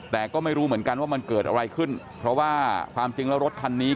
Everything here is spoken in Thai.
แต่ก็ไม่รู้เหมือนกันว่ามันเกิดอะไรขึ้นเพราะว่าความจริงแล้วรถคันนี้